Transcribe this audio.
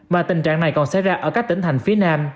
mà tình trạng này còn xảy ra ở các tỉnh thành phía nam